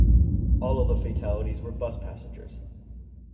All of the fatalities were bus passengers.